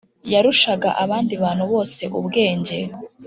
yarushaga abandi bantu bose ubwenge .